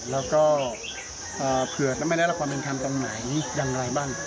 แล้วก็เผื่อจะไม่ได้รับความเป็นธรรมตรงไหนอย่างไรบ้าง